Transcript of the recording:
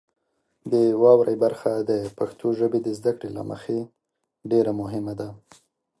د واورئ برخه د پښتو ژبې د زده کړې له مخې ډیره مهمه ده.